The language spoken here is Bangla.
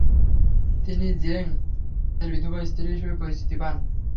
তিনি জেং -এর বিধবা স্ত্রী হিসেবেই পরিচিতি পান।